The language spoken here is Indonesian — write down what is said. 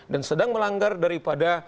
dan sedang melanggar daripada